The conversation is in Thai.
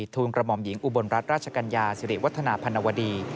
ทูลกระหม่อมหญิงอุบลรัฐราชกัญญาสิริวัฒนาพันวดี